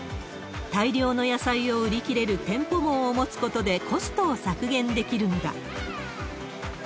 大量の野菜を売り切れる店舗網を持つことで、コストを削減できるのだ。